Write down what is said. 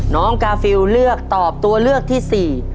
กาฟิลเลือกตอบตัวเลือกที่๔